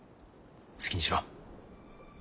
好きにしろ。